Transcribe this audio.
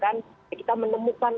kita lakukan kita menemukan